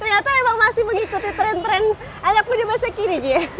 ternyata emang masih mengikuti tren tren anak muda masa kini dia